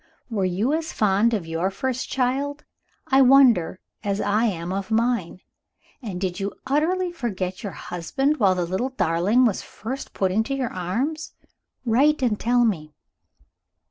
Were you as fond of your first child, I wonder, as I am of mine? And did you utterly forget your husband, when the little darling was first put into your arms? Write and tell me."